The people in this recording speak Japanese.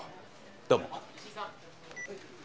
どうも。